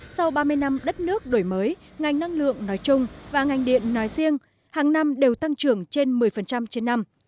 sau ba mươi năm đất nước đổi mới ngành năng lượng nói chung và ngành điện nói riêng hàng năm đều tăng trưởng trên một mươi trên năm